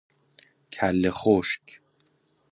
کله خشک